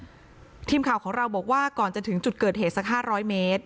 ทีมข่าวของเราบอกว่าก่อนจะถึงจุดเกิดเหตุสักห้าร้อยเมตร